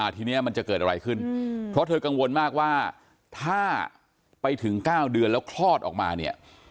ทีนี้มันจะเกิดอะไรขึ้นเพราะเธอกังวลมากว่าถ้าไปถึง๙เดือนแล้วคลอดออกมาเนี่ย